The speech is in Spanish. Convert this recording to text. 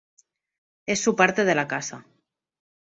En su parte de la casa.